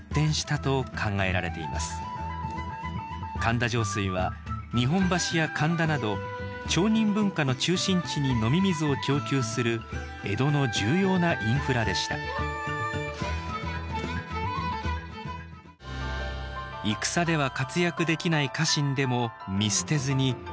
神田上水は日本橋や神田など町人文化の中心地に飲み水を供給する江戸の重要なインフラでした戦では活躍できない家臣でも見捨てずに違った能力を見いだす。